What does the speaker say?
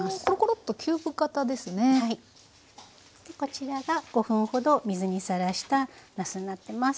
こちらが５分ほど水にさらしたなすになってます。